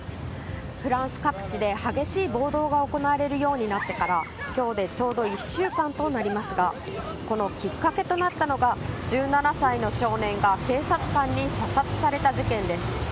フランス各地で激しい暴動が行われるようになってから今日でちょうど１週間となりますがこのきっかけとなったのが１７歳の少年が警察官に射殺された事件です。